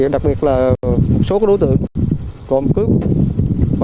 đặc biệt là một số đối tượng còn cướp